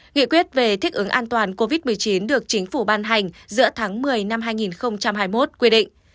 nghị quyết về thích ứng an toàn covid một mươi chín được chính phủ ban hành giữa tháng một mươi năm hai nghìn hai mươi một quy định